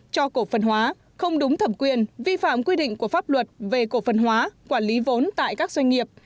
cho cổ phần hóa không đúng thẩm quyền vi phạm quy định của pháp luật về cổ phần hóa quản lý vốn tại các doanh nghiệp